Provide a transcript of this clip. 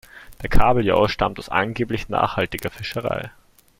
Der Kabeljau stammt aus angeblich nachhaltiger Fischerei.